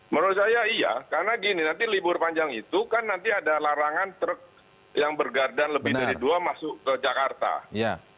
menurut saya iya karena gini nanti libur panjang itu kan nanti ada larangan truk yang bergardan lebih dari dua masuk ke jakarta